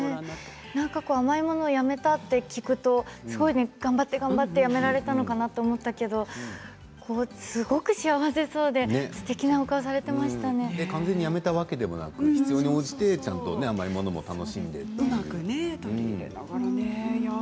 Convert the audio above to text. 甘いものをやめたと聞くとすごい頑張って頑張ってやめられたのかなと思ったけれどすごく幸せそうで完全にやめたわけではなくて必要に応じて楽しんでいるということですね。